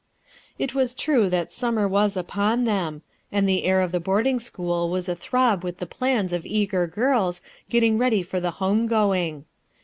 It was true that summer was upon them, and PUZZLING QUESTIONS 2 99 the air of the boarding school Was athrob with the plans of eager girls getting ready for the home going.